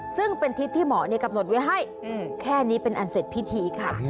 ซึ่งเป็นทิศที่หมอกำหนดไว้ให้แค่นี้เป็นอันเสร็จพิธีค่ะ